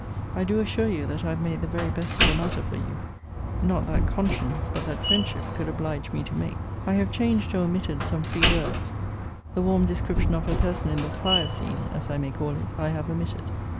I do assure you that I have made the very best of the matter for you, not that conscience, but that friendship, could oblige me to make. I have changed or omitted some free words. The warm description of her person in the fire scene, as I may call it, I have omitted.